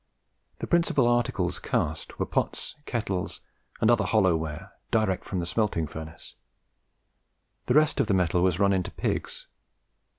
The principal articles cast were pots, kettles, and other "hollow ware," direct from the smelting furnace; the rest of the metal was run into pigs.